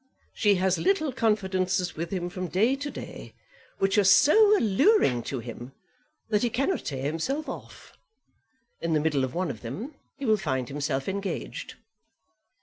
She has little confidences with him from day to day, which are so alluring to him that he cannot tear himself off. In the middle of one of them he will find himself engaged."